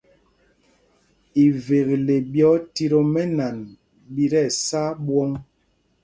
Ivekle ɓi otit o mɛ́nan ɓi tí ɛsá ɓwɔ̂ŋ.